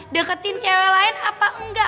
deketin cewek lain apa enggak